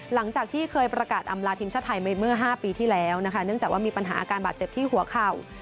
หลังจากที่เคยประกาศอำลาทีมชาติไทยไปเมื่อ๕ปีที่แล้วนะคะเนื่องจากว่ามีปัญหาอาการบาดเจ็บที่หัวเข่า